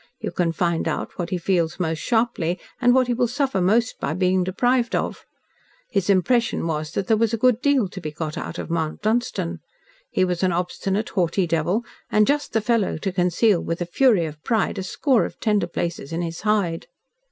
You can find out what he feels most sharply, and what he will suffer most by being deprived of. His impression was that there was a good deal to be got out of Mount Dunstan. He was an obstinate, haughty devil, and just the fellow to conceal with a fury of pride a score of tender places in his hide.